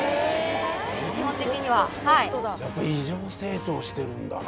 基本的にはやっぱ異常成長してるんだな